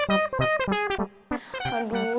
bukan malah ngehina gue